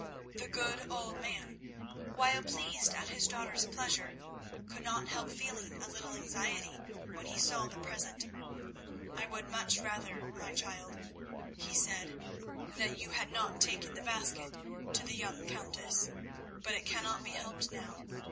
The good old man, while pleased at his daughter's pleasure, could not help feeling a little anxiety when he saw the present. "I would much rather, my child," he said, "that you had not taken the basket to the young Countess, but it cannot be helped now.